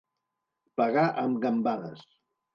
Pagar amb gambades.